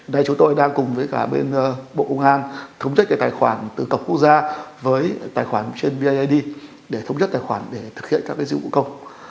đây chúng tôi đang cùng với cả bên bộ công an thống chất tài khoản từ cộng quốc gia với tài khoản trên viad để thống chất tài khoản để thực hiện các dịch vụ công